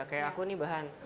kayak aku ini bahan